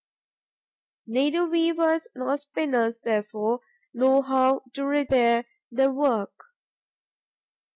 Neither weavers nor spinners, therefore, know how to repair their work.